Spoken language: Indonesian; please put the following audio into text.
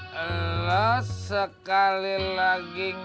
terima kasih paci